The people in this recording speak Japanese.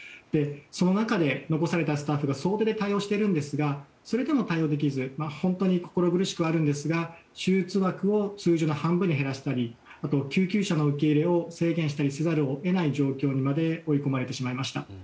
その中で残されたスタッフが総出で対応しているんですがそれでも対応できず本当に心苦しくはありますが手術枠を通常の半分に減らしたり救急車の受け入れを制限したりせざるを得ない状況にまで追い込まれてしまいました。